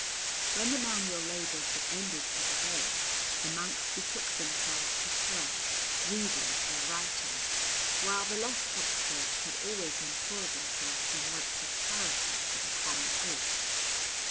When the manual labours were ended for the day, the monks betook themselves to prayer, reading, or writing, while the less expert could always employ themselves in works of charity for the common good.